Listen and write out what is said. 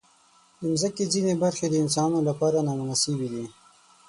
د مځکې ځینې برخې د انسانانو لپاره نامناسبې دي.